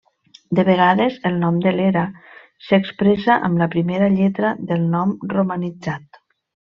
De vegades el nom de l'era s'expressa amb la primera lletra del nom romanitzat.